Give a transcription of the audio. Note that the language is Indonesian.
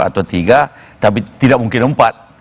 atau tiga tapi tidak mungkin empat